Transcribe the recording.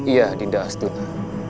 iya dinda astuna